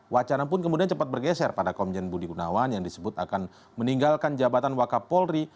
wacana pun kemudian cepat bergeser pada komjen budi gunawan yang disebut akan meninggalkan jabatan wakapolri